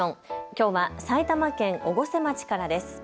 きょうは埼玉県越生町からです。